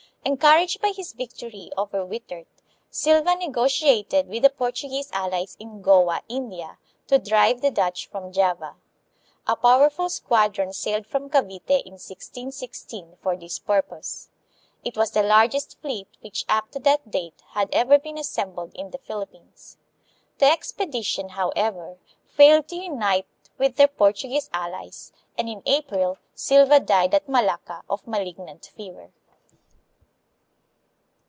En couraged by his victory over Wittert, Silva negotiated with the Portuguese allies in Goa, India, to drive the Dutch from Java. A powerful squadron sailed from Cavite in 1616 for this purpose. It was the largest fleet which up to that date had ever been assembled in the Philippines. The expedition, however, failed to unite with THE DUTCH AND MORO WARS. 1600 166S. 193 their Portuguese allies, and in April, Silva died at Malacca of malignant fever.